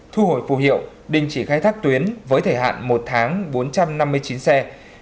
thu hồi phù hiệu đình chỉ khai thác tuyến với thời hạn một tháng bốn trăm năm mươi chín xe